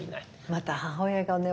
また母親がね